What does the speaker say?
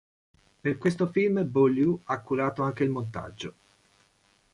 Per questo film Beaulieu ha curato anche il montaggio.